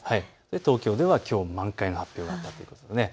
東京ではきょう満開の発表があったということですね。